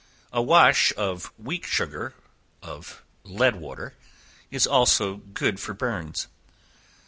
A wash of weak sugar of lead water, is also good for burns.